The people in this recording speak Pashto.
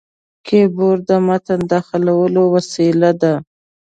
کیبورډ د متن داخلولو وسیله ده.